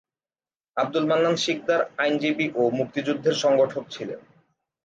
আব্দুল মান্নান শিকদার আইনজীবী ও মুক্তিযুদ্ধের সংগঠক ছিলেন।